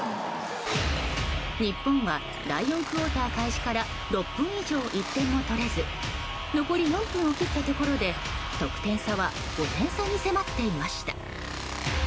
日本は第４クオーター開始から６分以上、１点も取れず残り４分を切ったところで得点差は５点差に迫っていました。